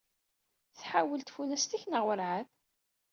Tḥawel tfunast-ik neɣ werɛad?